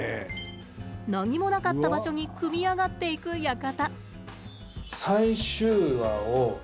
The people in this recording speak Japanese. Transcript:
何もなかった場所に組み上がっていく館。